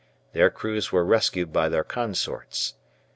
Their crews were rescued by their consorts.